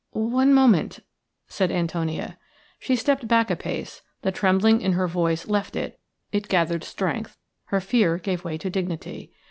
"One moment," said Antonia. She stepped back a pace; the trembling in her voice left it, it gathered strength, her fear gave way to dignity.